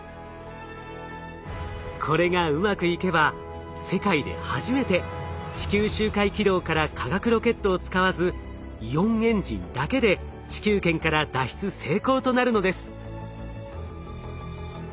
これがうまくいけば世界で初めて地球周回軌道から化学ロケットを使わずイオンエンジンだけで地球圏から脱出成功となるのです。